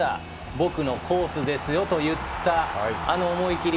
僕のコースですよと言ったあの思い切り。